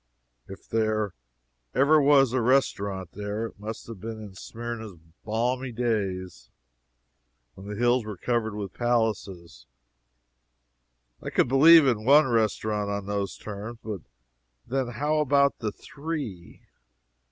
If there ever was a restaurant there, it must have been in Smyrna's palmy days, when the hills were covered with palaces. I could believe in one restaurant, on those terms; but then how about the three?